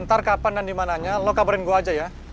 ntar kapan dan dimananya lo kabarin gue aja ya